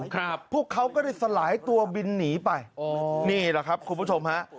ครับพวกเขาก็ได้สลายตัวบินหนีไปอ๋อนี่แหละครับคุณผู้ชมฮะ